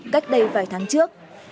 cách đây vài tháng trước